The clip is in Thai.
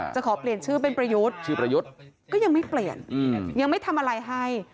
จะขอเปลี่ยนชื่อเป็นประยุทธ์ก็ยังไม่เปลี่ยนยังไม่ทำอะไรให้